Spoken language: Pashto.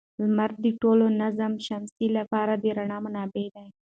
لمر د ټول نظام شمسي لپاره د رڼا منبع ده.